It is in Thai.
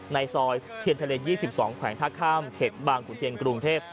ในซอยเทียนทะเล๒๒แขวงท่าข้ามเขตบางขุนเทียนกรุงเทพ